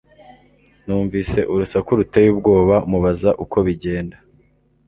numvise urusaku ruteye ubwoba, mubaza uko bigenda